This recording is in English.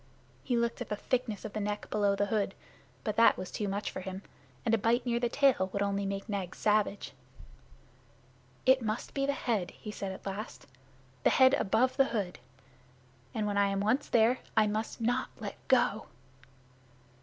He looked at the thickness of the neck below the hood, but that was too much for him; and a bite near the tail would only make Nag savage. "It must be the head"' he said at last; "the head above the hood. And, when I am once there, I must not let go."